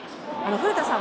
古田さん